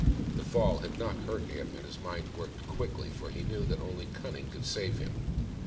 The fall had not hurt him, and his mind worked quickly, for he knew that only cunning could save him.